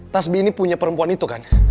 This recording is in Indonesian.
tas b ini punya perempuan itu kan